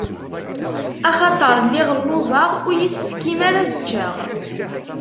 Axaṭer lliɣ lluẓeɣ, ur yi-tefkim ara ad ččeɣ.